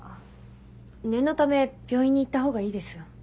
念のため病院に行った方がいいですよ。